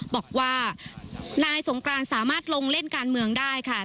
บอกว่านายสงกรานสามารถลงเล่นการเมืองได้ค่ะ